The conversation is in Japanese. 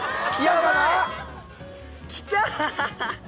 来た！